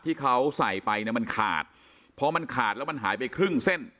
ที่เขาใส่ไปเนี่ยมันขาดพอมันขาดแล้วมันหายไปครึ่งเส้น